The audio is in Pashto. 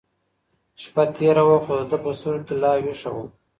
شپه تېره وه خو د ده په سترګو کې لا وېښه وه.